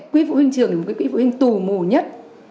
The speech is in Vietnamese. quý phụ huynh trường là một cái quỹ phụ huynh tù mù nhất